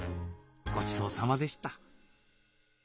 ごちそうさまでした。